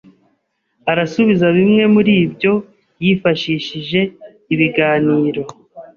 arasubiza bimwe muri byo yifashishije ibiganiro